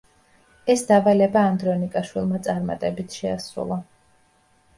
ეს დავალება ანდრონიკაშვილმა წარმატებით შეასრულა.